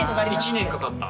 １年かかった。